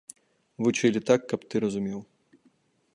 Вучылі так, каб ты разумеў.